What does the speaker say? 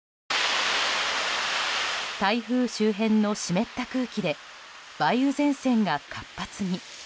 台風周辺の湿った空気で梅雨前線が活発に。